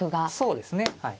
そうですねはい。